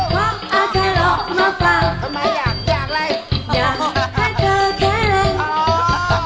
ว๊ากอาจารย์ออกมาฝากอยากให้เธอแทน